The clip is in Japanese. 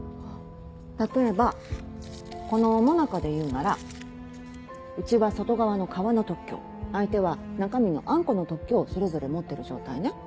例えばこのもなかでいうならうちは外側の皮の特許を相手は中身のあんこの特許をそれぞれ持ってる状態ね。